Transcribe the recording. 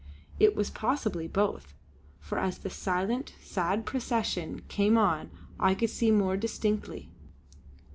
It was possibly both, for as the silent, sad procession came on I could see more distinctly.